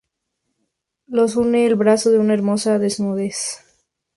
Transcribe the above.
Los une el abrazo de una hermosa desnudez.